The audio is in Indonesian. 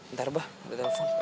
ntar beb udah telepon